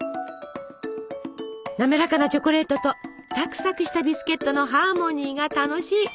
滑らかなチョコレートとサクサクしたビスケットのハーモニーが楽しい！